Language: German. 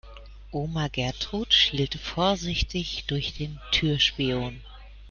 Oma Gertrud schielte vorsichtig durch den Türspion.